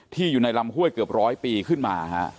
อยู่ในลำห้วยเกือบร้อยปีขึ้นมา